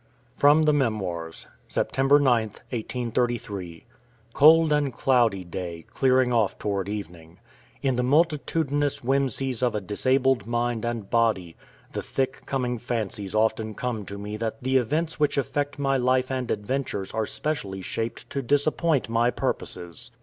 FROM THE MEMOIRS SEPTEMBER 9TH, 1833. Cold and cloudy day, clearing off toward evening. In the multitudinous whimseys of a disabled mind and body, the thick coming fancies often come to me that the events which affect my life and adventures are specially shaped to disappoint my purposes.